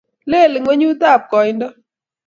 leel ingwenyutab koindo